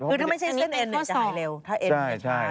คือถ้าไม่ใช่เส้นเอ็นจะหายเร็วถ้าเอ็นจะหายใช่ไหม